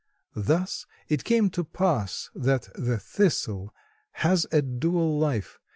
Thus it came to pass that the Thistle has a dual life.